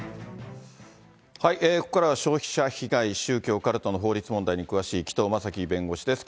ここからは消費者被害、宗教、カルトの法律問題に詳しい紀藤正樹弁護士です。